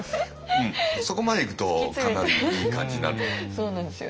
そこまでいくとかなりいい感じになると思います。